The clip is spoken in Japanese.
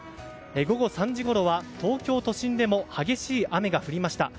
午後３時ごろは東京都心でも激しい雨が降りました。